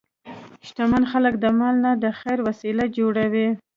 شتمن خلک د مال نه د خیر وسیله جوړوي.